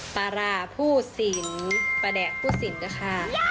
ปลาร้าผู้สินปลาแดกผู้สินนะคะ